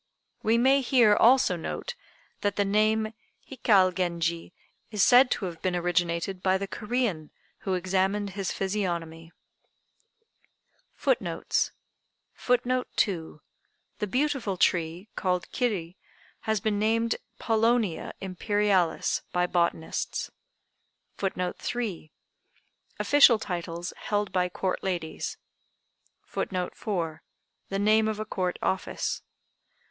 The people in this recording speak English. We may here also note that the name Hikal Genji is said to have been originated by the Corean who examined his physiognomy. FOOTNOTES: [Footnote 2: The beautiful tree, called Kiri, has been named Paulownia Imperialis, by botanists.] [Footnote 3: Official titles held by Court ladies.] [Footnote 4: The name of a Court office.